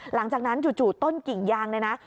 หลังจากนั้นจู่ต้นกิ่งยางเลยนะ